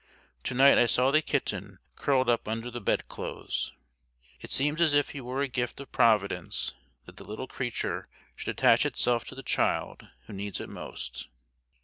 To night I saw the kitten curled up under the bed clothes. It seems as if it were a gift of Providence that the little creature should attach itself to the child who needs it most.